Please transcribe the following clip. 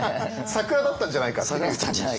サクラだったんじゃないかと。